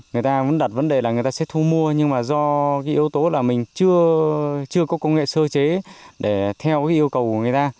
người ta vẫn đặt vấn đề là người ta sẽ thu mua nhưng mà do cái yếu tố là mình chưa có công nghệ sơ chế để theo cái yêu cầu của người ta